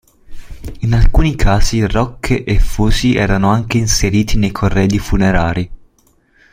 In alcuni casi rocche e fusi erano anche inseriti nei corredi funerari.